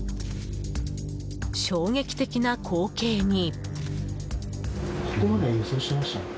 衝撃的な光景に。